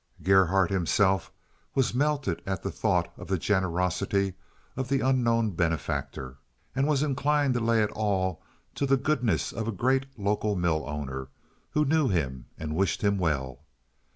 Gerhardt himself was melted at the thought of the generosity of the unknown benefactor, and was inclined to lay it all to the goodness of a great local mill owner, who knew him and wished him well.